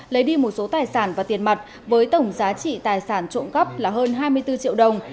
lấy đi một số tài sản và tiền mặt với tổng giá trị tài sản trộm cắp là hơn hai mươi bốn triệu đồng